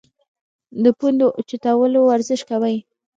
د پوندو اوچتولو ورزش کوی -